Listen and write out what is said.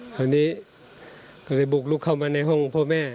คราวนี้ก็เลยบุกลุกเข้ามาในห้องพ่อแม่